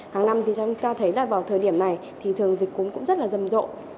hàng năm thì chúng ta thấy là vào thời điểm này thì thường dịch cúm cũng rất là rầm rộ